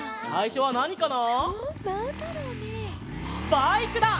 バイクだ！